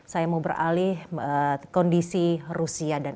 saya mau beralih kondisi rusia dan